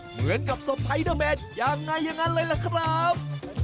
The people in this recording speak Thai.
เหมือนกับสปาดาเมนอย่างไรอย่างนั้นเลยล่ะครับ